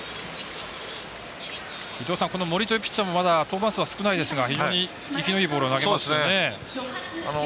この森というピッチャーもまだ登板数は少ないですが非常に生きのいいボールを投げますね。